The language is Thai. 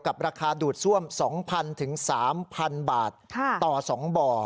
กับราคาดูดซ่วม๒๐๐๐๓๐๐๐บาทต่อ๒บ่อ